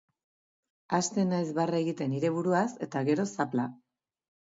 Hasten naiz barre egiten nire buruaz, eta gero, zapla.